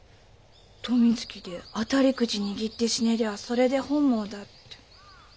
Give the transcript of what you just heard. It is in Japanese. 「富突で当たりくじ握って死ねりゃそれで本望だ」って。